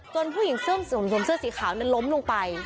จนผู้หญิงเสื้อสีขาวล้มลงไป